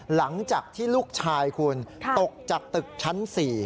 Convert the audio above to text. หลังจากที่ลูกชายคุณตกจากตึกชั้น๔